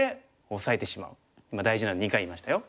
今大事なんで２回言いましたよ。